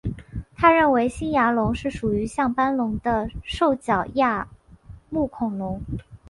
他认为新牙龙是属于像斑龙的兽脚亚目恐龙。